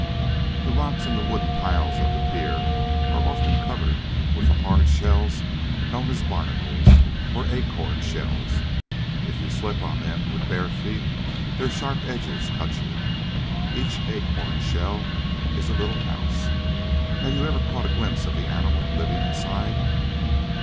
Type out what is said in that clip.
The rocks, and the wooden piles of the pier, are often covered with the hard shells known as Barnacles, or Acorn Shells. If you slip on them with bare feet their sharp edges cut you. Each Acorn Shell is a little house. Have you ever caught a glimpse of the animal living inside?